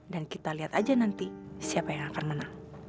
dan kita lihat saja nanti siapa yang akan menang